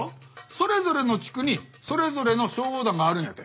それぞれの地区にそれぞれの消防団があるんやて。